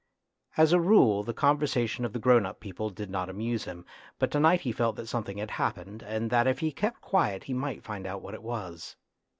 As a rule the conversation of the grown up people did not amuse him, but to night he felt that something had happened, and that if he kept quiet he might find out what it was.